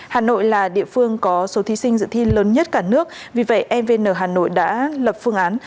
hà nội là địa phương có số thí sinh dự thi lớn nhất cả nước vì vậy evn hà nội đã lập phương án